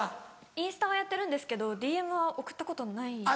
インスタはやってるんですけどＤＭは送ったことないですね。